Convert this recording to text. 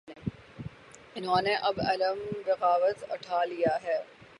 انہوں نے اب علم بغاوت اٹھا لیا ہے۔